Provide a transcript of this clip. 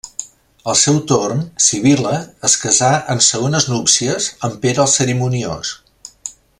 Al seu torn, Sibil·la es casà en segones núpcies amb Pere el Cerimoniós.